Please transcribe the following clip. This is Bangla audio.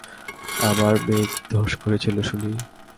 আমার মেয়ে কী দোষ করেছিল শুনি?